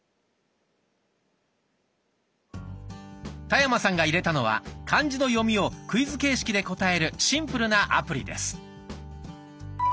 田山さんが入れたのは漢字の読みをクイズ形式で答えるシンプルなアプリです。